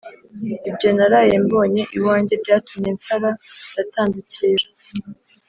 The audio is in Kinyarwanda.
ibyo naraye mbonye iwanjye byatumye nsara ndatandukira